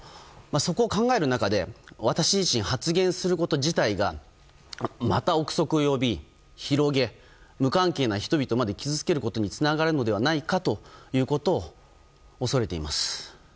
そこを考える中で私自身、発言すること自体がまた憶測を呼び広げ、無関係な人々まで傷つけることにつながるのではないかということを恐れています。